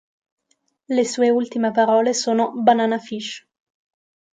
Le sue ultime parole sono “"Banana Fish"”.